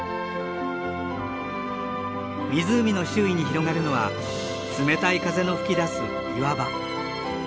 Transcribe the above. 湖の周囲に広がるのは冷たい風の吹き出す岩場。